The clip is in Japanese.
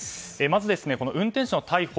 まず、運転手の逮捕